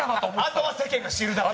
あとは世間が知るだけ。